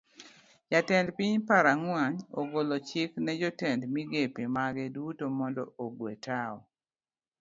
Jatend piny paraguay ogolo chik ne jotend migepe mage duto mondo ogue tao.